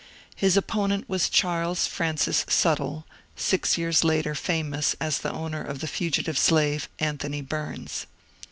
His opponent was Charles Francis Suttle, six years later famous as the owner of the fugitive slave Anthony Bums.